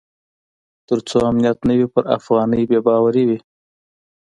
تر څو امنیت نه وي پر افغانۍ بې باوري وي.